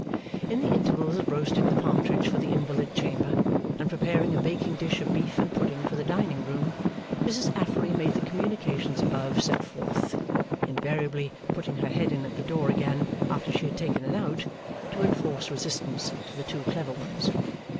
In the intervals of roasting the partridge for the invalid chamber, and preparing a baking dish of beef and pudding for the dining room, Mrs Affery made the communications above set forth; invariably putting her head in at the door again after she had taken it out, to enforce resistance to the two clever ones.